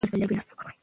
پایلې څوک تاییدوي؟